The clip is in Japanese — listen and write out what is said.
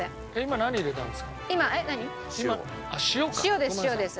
塩です塩です。